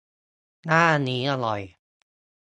หน้านี้อร่อย